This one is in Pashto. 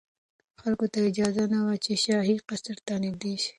خلکو ته اجازه نه وه چې شاهي قصر ته نږدې شي.